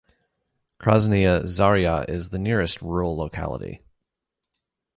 Krasnaya Zarya is the nearest rural locality.